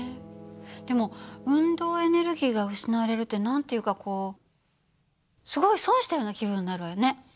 でも運動エネルギーが失われるって何ていうかこうすごい損したような気分になるわよね。